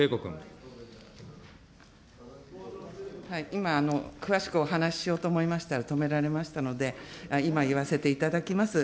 今、詳しくお話ししようと思いましたら止められましたので、今、言わせていただきます。